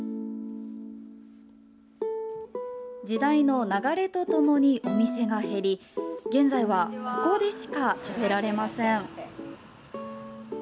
時代の流れとともにお店が減り現在はここでしか食べられません。